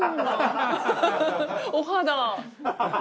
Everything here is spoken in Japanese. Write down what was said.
お肌。